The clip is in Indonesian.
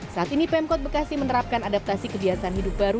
saat ini pemkot bekasi menerapkan adaptasi kebiasaan hidup baru